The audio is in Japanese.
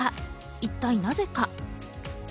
一体なぜか？